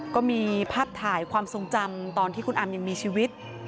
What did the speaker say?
ก็มีภาพถ่ายความทรงจำตอนที่คุณอามยังมีชีวิต